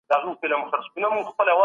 د ذمي ژوند د امن ژوند دی.